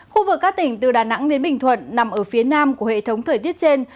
khu vực các tỉnh từ đà nẵng đến bình thuận nằm ở phía nam của hệ thống thời tiết trên